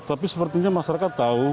tapi sepertinya masyarakat tahu